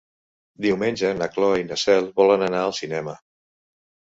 Diumenge na Cloè i na Cel volen anar al cinema.